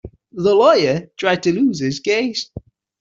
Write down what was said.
The lawyer tried to lose his case.